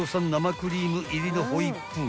クリーム入りのホイップ］